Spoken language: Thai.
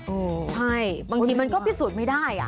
ใช่บางทีมันก็พิสูจน์ไม่ได้